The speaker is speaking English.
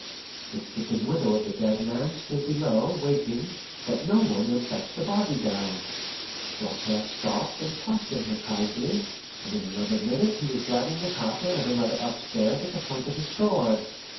The stricken widow of the dead man stood below, waiting, but no one would fetch the body down. Doltaire stopped and questioned her kindly, and in another minute he was driving the carter and another upstairs at the point of his sword.